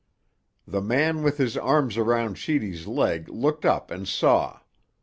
The man with his arms around Sheedy's leg looked up and saw.